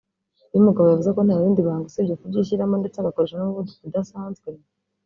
uyu mugabo yavuze ko nta rindi banga usibye kubyishyiramo ndetse agakoresha n’umuvuduko udasanzwe